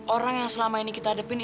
orang yang selama ini kita hadepin itu